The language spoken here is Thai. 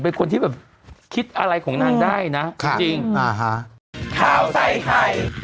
เป็นคนที่แบบคิดอะไรของนางได้นะค่ะจริงอ่าฮะ